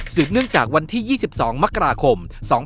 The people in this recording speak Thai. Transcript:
เนื่องจากวันที่๒๒มกราคม๒๕๖๒